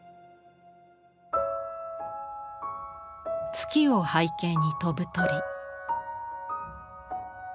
月を背景に飛ぶ鳥。